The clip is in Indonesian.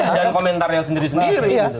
dan komentarnya sendiri sendiri